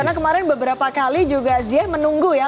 karena kemarin beberapa kali juga ziyech menunggu ya